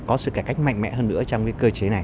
có sự cải cách mạnh mẽ hơn nữa trong cái cơ chế này